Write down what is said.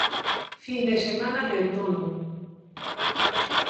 Fin de semana de outono.